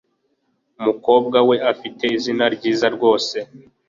Umukobwa we afite izina ryiza rwose.